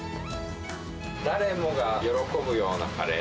誰もが喜ぶようなカレー。